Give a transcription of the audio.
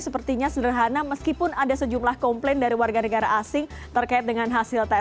sepertinya sederhana meskipun ada sejumlah komplain dari warga negara asing terkait dengan hasil tes